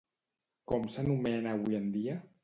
Com s'anomena avui en dia?